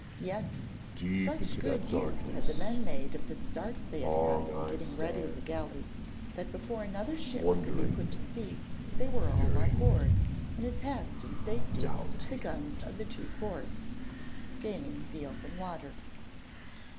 Yet, such good use had the men made of the start they had had in getting ready the galley that before another ship could put to sea they were all on board, and had passed in safety the guns of the two forts, gaining the open water.